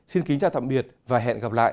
xin kính chào tạm biệt và hẹn gặp lại